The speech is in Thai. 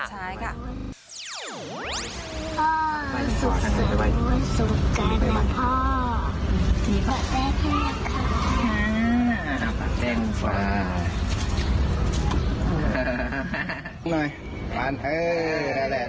พูดหนีให้พ่อฟังด้วย